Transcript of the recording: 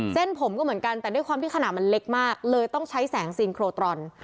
เส้นผมก็เหมือนกันแต่ด้วยความที่ขนาดมันเล็กมากเลยต้องใช้แสงซีนโครตรอน